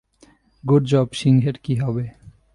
Good job - সিংহের কি হবে?